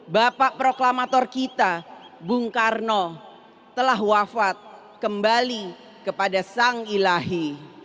bapak proklamator kita bung karno telah wafat kembali kepada sang ilahi